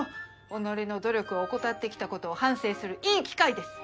己の努力を怠ってきたことを反省するいい機会です。